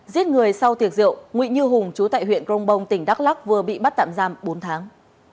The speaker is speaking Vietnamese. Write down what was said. giết người sau tiệc rượu nguyễn như hùng chú tại huyện crong bong tỉnh đắk lắc vừa bị bắt tạm giam bốn tháng